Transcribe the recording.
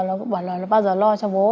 nó cũng bảo là bao giờ lo cho bố